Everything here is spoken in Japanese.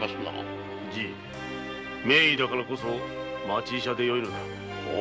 じい名医だからこそ町医者でよいのだ。